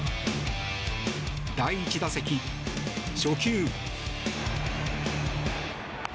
第１打席、初球。